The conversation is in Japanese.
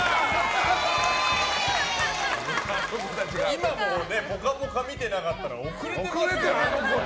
今もう「ぽかぽか」見てなかったら遅れてますからね。